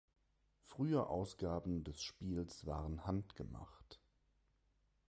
Frühe Ausgaben des Spiels waren handgemacht.